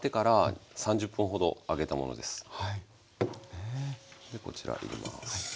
ねえ。でこちら入れます。